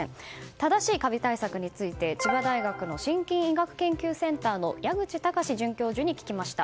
正しいカビ対策について千葉大学真菌医学研究センターの矢口貴志准教授に聞きました。